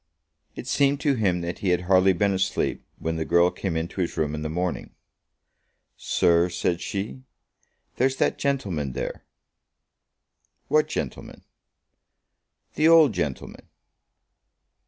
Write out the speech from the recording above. It seemed to him that he had hardly been asleep when the girl came into his room in the morning. "Sir," said she, "there's that gentleman there." "What gentleman?" "The old gentleman."